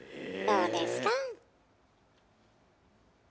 どうですか？